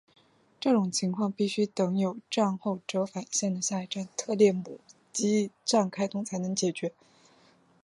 这种情况必须等有站后折返线的下一站特列姆基站开通才能解决。